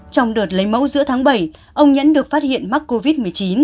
trong đợt lấy mẫu giữa tháng bảy ông nhẫn được phát hiện mắc covid một mươi chín